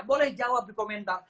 boleh jawab di komentar